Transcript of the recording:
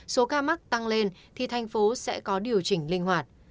số ca mắc tăng lên thì thành phố sẽ có điều chỉnh linh hoạt